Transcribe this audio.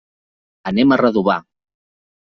Anem a Redovà.